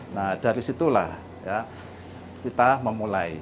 nah dari situlah kita memulai